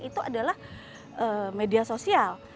itu adalah media sosial